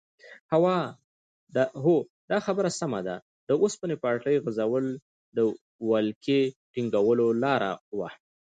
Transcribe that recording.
هو دا خبره سمه ده د اوسپنې پټلۍ غځول د ولکې ټینګولو لاره وه.